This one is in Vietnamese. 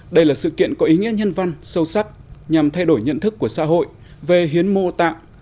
đây là sự kiện có ý nghĩa nhân văn sâu sắc nhằm thay đổi nhận thức của xã hội về hiến mô tạng